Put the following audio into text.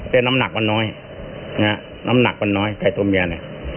แต่น้ำหนักมันน้อยนะฮะน้ำหนักมันน้อยไข่ตัวเมียเนี่ย